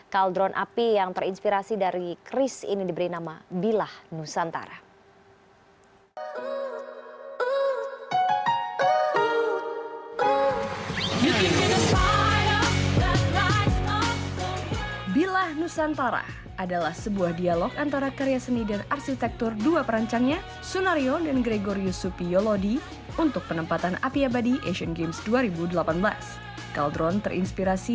kaldron api yang terinspirasi dari chris ini diberi nama bilah nusantara